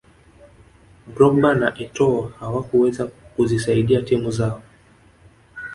drogba na etoo hawakuweza kuzisaidia timu zao